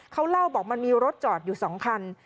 เขาเล่าบอกมันมีรถจอดอยู่๒คัน